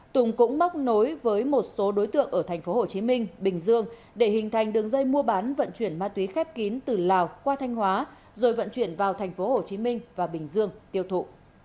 tùng cũng móc nối với một số đối tượng ở tp hcm bình dương để hình thành đường dây mua bán vận chuyển ma túy khép kín từ lào qua thanh hóa rồi vận chuyển vào tp hcm và bình dương tiêu thụ